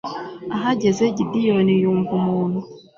ahageze, gideyoni yumva umuntu